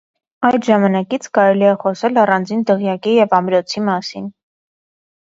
Այդ ժամանակից կարելի է խոսել առանձին դղյակի և ամրոցի մասին։